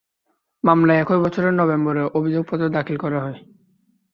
মামলায় একই বছরের নভেম্বরে অভিযোগপত্র দাখিল করা হয়।